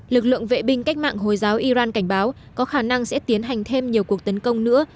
lực lượng vệ binh cách mạng hồi giáo iran cảnh báo có khả năng sẽ tiến hành thêm nhiều cuộc tấn công nữa